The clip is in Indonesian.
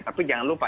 tapi jangan lupa